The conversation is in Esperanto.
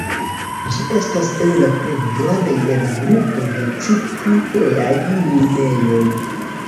Ĝi estas el la plej grandaj el grupo de ĉi tieaj minejoj.